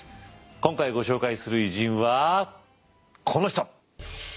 今回ご紹介する偉人はこの人。